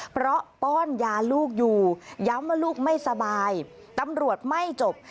เพราะป้อนยาลูกอยู่ย้ำว่าลูกไม่สบายตำรวจไม่จบ